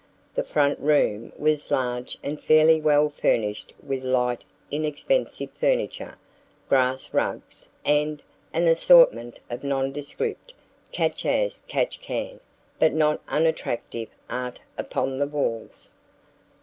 The front room was large and fairly well furnished with light inexpensive furniture, grass rugs and an assortment of nondescript, "catch as catch can," but not unattractive, art upon the walls.